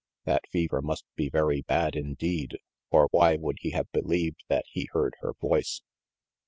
That fever must be very bad indeed, or why would he have believed that he heard her voice?